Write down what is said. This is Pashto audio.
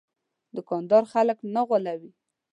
دوکاندار خلک نه غولوي.